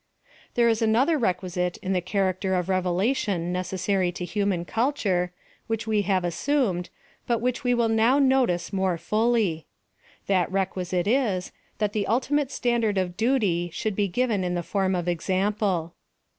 There is another requisite in the character of revelation necessary to human culture, which we have assumed, but which we will now notice more fully. That requisite is, that the ultimate standard of duty should be given in the form of example.